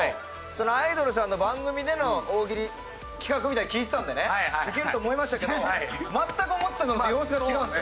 アイドルさんの番組での大喜利企画みたいに聞いてたんでねいけると思いましたけど全く思ってたのと様子が違うんですよ